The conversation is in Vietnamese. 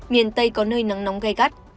miền tây có nơi nắng nóng gai gắt